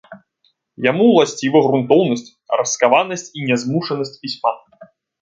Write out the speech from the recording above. Яму ўласціва грунтоўнасць, раскаванасць і нязмушанасць пісьма.